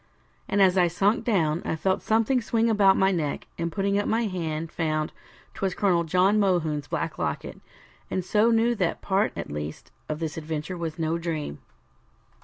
And as I sunk down, I felt something swing about my neck, and putting up my hand, found 'twas Colonel John Mohune's black locket, and so knew that part at least of this adventure was no dream.